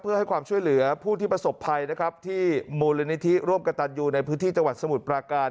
เพื่อให้ความช่วยเหลือผู้ที่ประสบภัยนะครับที่มูลนิธิร่วมกับตันยูในพื้นที่จังหวัดสมุทรปราการ